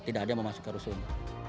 tidak ada yang mau masuk ke rusun